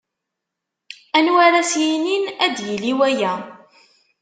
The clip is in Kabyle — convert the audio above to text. Anwa ara as-yinin ad d-yili waya.